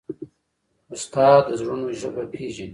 استاد د زړونو ژبه پېژني.